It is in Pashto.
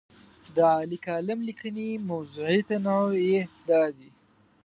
د عالي کالم لیکنې موضوعي تنوع یې دا دی.